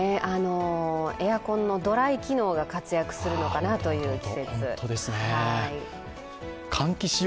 エアコンのドライ機能が活躍するのかなという季節。